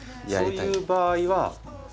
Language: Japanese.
そういう場合は。